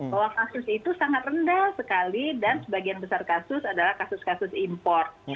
bahwa kasus itu sangat rendah sekali dan sebagian besar kasus adalah kasus kasus import